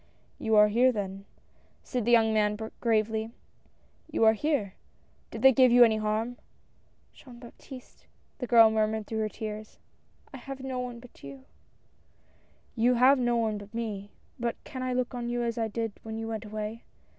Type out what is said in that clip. "You are here then," said the young man gravely, " you are here. Did they do you any harm ?" "Jean Baptiste," the girl murmured through her tears, " I have no one but you." THE RETURN. 191 "You have no one but me — but can I look on you as I did when you went away